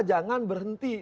jangan berhenti di situ